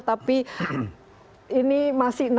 tapi ini masih